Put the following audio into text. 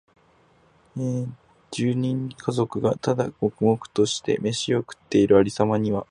十幾人の家族が、ただ黙々としてめしを食っている有様には、